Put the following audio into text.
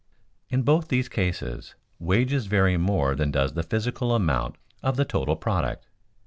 In both these cases, wages vary more than does the physical amount of the total product.